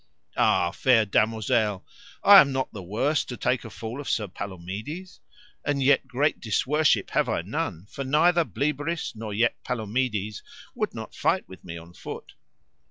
Ah, fair damosel, I am not the worse to take a fall of Sir Palomides, and yet great disworship have I none, for neither Bleoberis nor yet Palomides would not fight with me on foot.